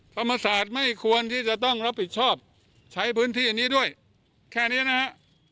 ธรรมศาสตร์ไม่ควรที่จะต้องรับผิดชอบใช้พื้นที่อันนี้ด้วยแค่นี้นะฮะ